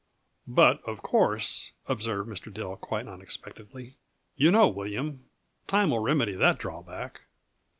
"But, of course," observed Mr. Dill quite unexpectedly, "you know, William, time will remedy that drawback."